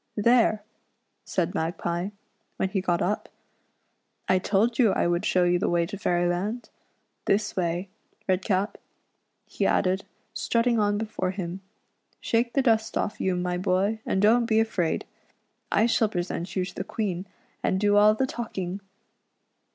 "There !" said Magpie, when he got up, " I told you I should show you the way to Fairyland. This way, Redcap," he added, strutting on before him, "shake the dust off you, my boy, and don't be afraid. I shall present you to the Queen, and do all the talking."